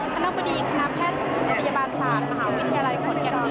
คณะประดีคณะแพทย์พยาบาลศาสตร์มหาวิทยาลัยขนตร์กันวิทยาลัย